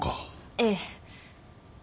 ええ。